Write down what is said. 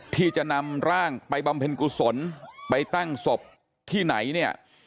ที่จะนำร่างไปบำเพ็ญกุศลไปตั้งศพที่ไหนเนี่ย